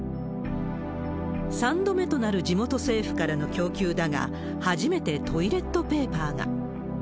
３度目となる地元政府からの供給だが、初めてトイレットペーパーが。